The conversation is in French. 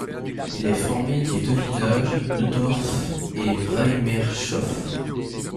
Il est formé des deux villages Neudorf et Weimershof.